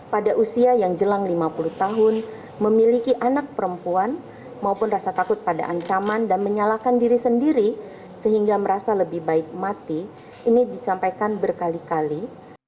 pada usia yang jelang lima puluh tahun memiliki anak perempuan maupun rasa takut pada ancaman dan menyalahkan diri sendiri sehingga merasa lebih baik mati ini disampaikan berkali kali